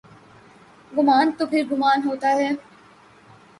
گمان تو پھرگمان ہوتا ہے۔